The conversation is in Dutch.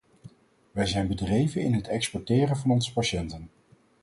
Wij zijn bedreven in het exporteren van onze patiënten.